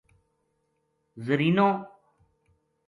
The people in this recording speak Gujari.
زرینو